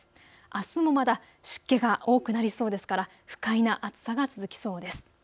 あすもまだ湿気が多くなりそうですから不快な暑さが続きそうです。